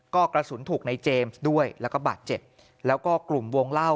ก็กระสุนถูกในเจมส์ด้วยแล้วก็บาดเจ็บแล้วก็กลุ่มวงเล่า